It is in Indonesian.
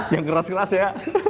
yang keras keras ya